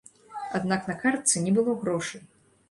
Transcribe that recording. Аднак на картцы не было грошай.